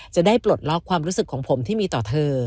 จะได้ปลดล็อกความรู้สึกของผมที่มีต่อเธอ